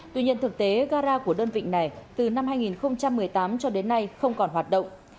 tuy nhiên thực tế gara của đơn vị này từ năm hai nghìn một mươi tám cho đến nay không còn hoạt động